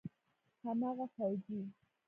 هماغه فوجي.